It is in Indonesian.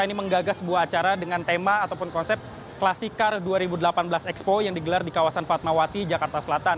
ini menggagas sebuah acara dengan tema ataupun konsep klasik car dua ribu delapan belas expo yang digelar di kawasan fatmawati jakarta selatan